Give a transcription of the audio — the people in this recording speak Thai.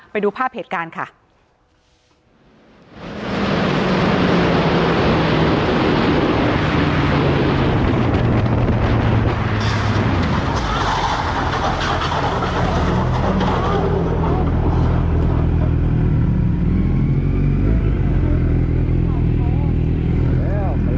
ไปดูภาพเหตุการณ์ค่ะ